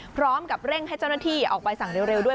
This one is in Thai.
พร้อมกับเร่งให้เจ้าหน้าที่ออกใบสั่งเร็วด้วย